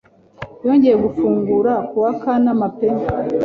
yongeye gufungura kuwa Kanama pe